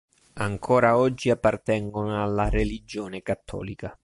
Ancora oggi appartengono alla religione cattolica.